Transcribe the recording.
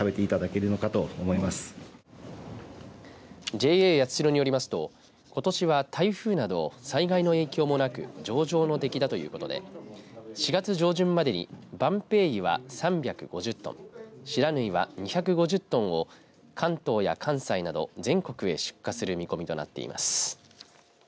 ＪＡやつしろによりますとことしは台風など災害の影響もなく上々の出来だということで４月上旬までにばんぺいゆは３５０トン不知火は２５０トンを関東や関西など全国へ出荷する見込みとなっています。